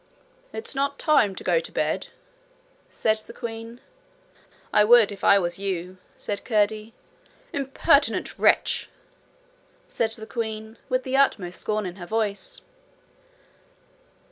'It's not time to go to bed,' said the queen. 'I would if I was you,' said Curdie. 'Impertinent wretch!' said the queen, with the utmost scorn in her voice.